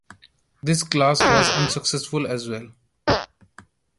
This class was unsuccessful as well.